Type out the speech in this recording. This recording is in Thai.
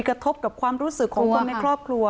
กระทบกับความรู้สึกของคนในครอบครัว